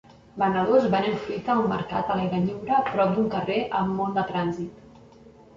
Venedors venent fruita a un mercat a l'aire lliure prop d'un carrer amb molt de trànsit